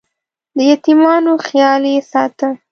د یتیمانو خیال یې ساته.